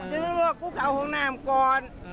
ก็ไม่รู้ว่ากูเขาของนามก่อน